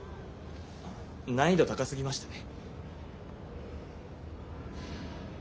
難易度高すぎましたね。